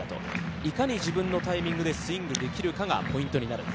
いかに自分のタイミングでスイングできるかがポイントになると。